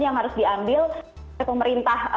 yang harus diambil oleh pemerintah